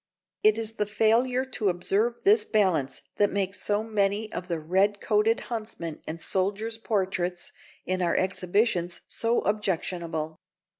It is the failure to observe this balance that makes so many of the red coated huntsmen and soldiers' portraits in our exhibitions so objectionable.